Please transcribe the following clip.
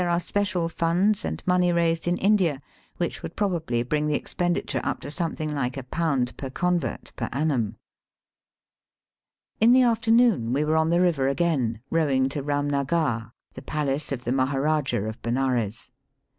231 special funds and money raised in India, which, would probably bring the expenditure up to something Hke a pound per convert per annum* In the afternoon we were on the river again, rowing to Eamnagar, the palace of the Maharajah of Benares.